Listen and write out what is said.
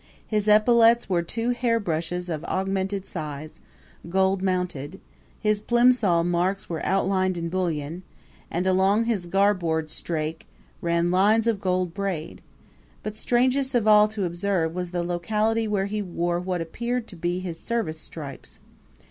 His epaulets were two hairbrushes of augmented size, gold mounted; his Plimsoll marks were outlined in bullion, and along his garboard strake ran lines of gold braid; but strangest of all to observe was the locality where he wore what appeared to be his service stripes.